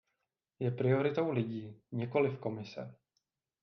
Je prioritou lidí, nikoliv Komise.